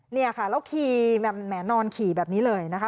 เนี่ยค่ะแล้วขี่แบบแหมนอนขี่แบบนี้เลยนะคะ